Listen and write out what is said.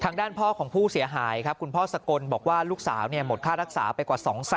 ทางด้านพ่อของผู้เสียหายครับคุณพ่อสะกลบอกว่าลูกสาวเนี่ยหมดค่าทักษาไปกว่าสองแสนนะฮะ